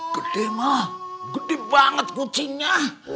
gede mah gede banget kucingnya